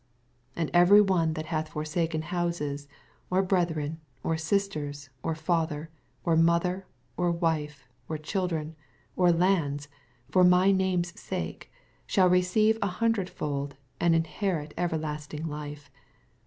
29 And everv one that hath forsa ken houses, or brethren, or sisters, or father, or mother, or wife, or children, or lands, for my name's sake, shall receive an hundred fold, and shall inherit everlastinff life.